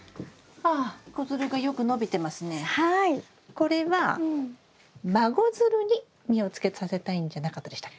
これは孫づるに実をつけさせたいんじゃなかったでしたっけ？